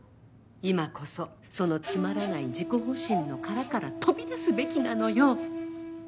今こそそのつまらない自己保身の殻から飛び出すべきなのよ。